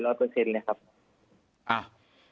เลยครับ